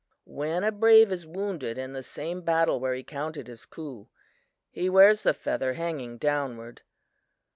"When a brave is wounded in the same battle where he counted his coup, he wears the feather hanging downward.